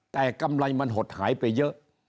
แต่กำไรมันหดหายไปเยอะ